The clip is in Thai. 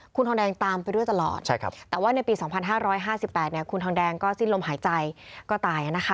คุณทองแดงตามไปด้วยตลอดแต่ว่าในปี๒๕๕๘คุณทองแดงก็สิ้นลมหายใจก็ตายนะคะ